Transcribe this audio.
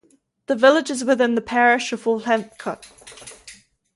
The village is within the parish of Wolfhampcote.